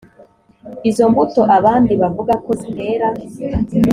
izo mbuto abandi bavuga ko zitera